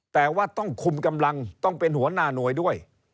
แต่ว่าต้องคุมกำลังต้องเป็นหัวหน้าหน่วยด้วย